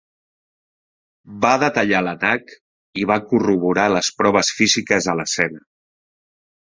Va detallar l'atac i va corroborar les proves físiques a l'escena.